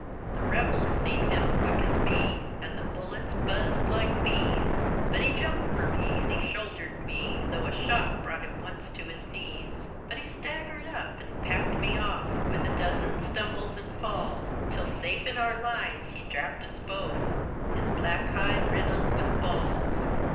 The Rebels seen him as quick as me, And the bullets buzzed like bees; But he jumped for me, and shouldered me, Though a shot brought him once to his knees; But he staggered up, and packed me off, With a dozen stumbles and falls, Till safe in our lines he drapped us both, His black hide riddled with balls.